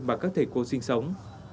mà các thầy cô sinh sống